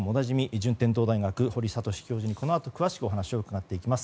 順天堂大学堀賢教授にこのあと詳しくお話を伺います。